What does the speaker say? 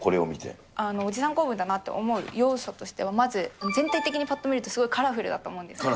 おじさん構文だなって思う要素としては、まず全体的にぱっと見るとすごいカラフルだと思うんですが。